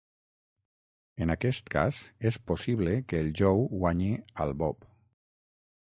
En aquest cas, és possible que el Joe guanyi al Bob.